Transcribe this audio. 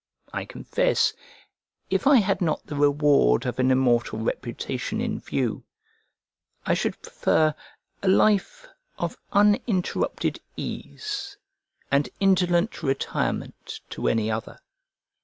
I confess, if I had not the reward of an immortal reputation in view, I should prefer a life of uninterrupted ease and indolent retirement to any other.